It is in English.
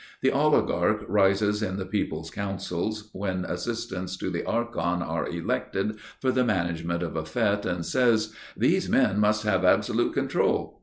The oligarch rises in the people's councils, when assistants to the archon are elected for the management of a fête, and says: "These men must have absolute control."